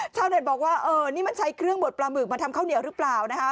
เน็ตบอกว่าเออนี่มันใช้เครื่องบดปลาหมึกมาทำข้าวเหนียวหรือเปล่านะคะ